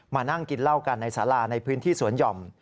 มานั่งกินเหล้ากันในสาราในพื้นที่สวนหย่อม